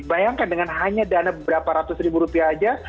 bayangkan dengan hanya dana beberapa ratus ribu rupiah saja